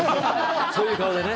そういう顔でね。